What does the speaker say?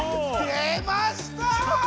出ました！